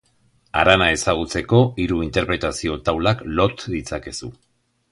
Harana ezagutzeko, hiru interpretazio taulak lot ditzakezu.